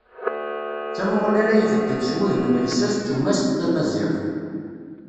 D tamuɣli ara ibedden s wudem n llsas d tumast tamaziɣt.